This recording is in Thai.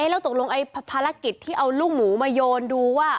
แล้วตกลงภารกิจที่เอาลูกหมูมาโยนดูว่า